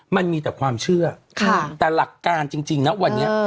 มันมีแต่ความเชื่อแต่หลักการจริงนะวันนี้